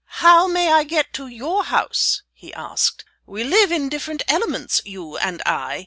"How may I get to your house?" he asked. "We live in different elements, you and I.